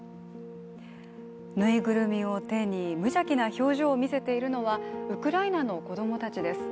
縫いぐるみを手に無邪気な表情を見せているのはウクライナの子供たちです。